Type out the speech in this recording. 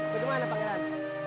kau di mana pangeran